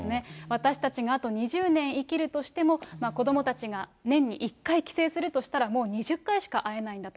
私たちがあと２０年生きるとしても、子どもたちが年に１回帰省するとしたら、もう２０回しか会えないんだと。